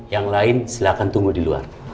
yang lain silahkan tunggu di luar